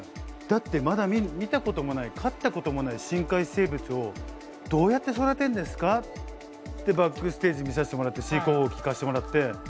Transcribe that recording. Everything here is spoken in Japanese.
だってまだ見たこともない飼ったこともない深海生物をどうやって育てるんですかってバックステージ見させてもらって飼育方法を聞かせてもらって。